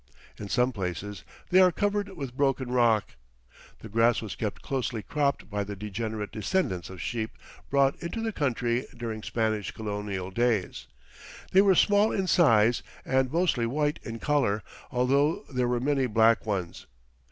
In some places they are covered with broken rock. The grass was kept closely cropped by the degenerate descendants of sheep brought into the country during Spanish colonial days. They were small in size and mostly white in color, although there were many black ones.